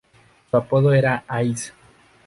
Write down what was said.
Su apodo era ""Ice"".